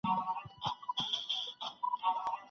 سوچه پښتو ژبه زموږ د کلتوري ځانګړتیاوو ښکارندویي کوي